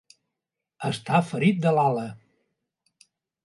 Estar ferit de l'ala.